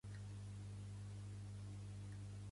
Colau exigeix mà dura amb els joves manifestants